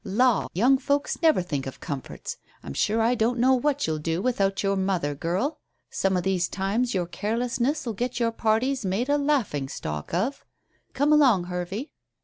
La, young folks never think of the comforts. I'm sure I don't know what you'll do without your mother, girl. Some o' these times your carelessness will get your parties made a laughing stock of. Come along, Hervey."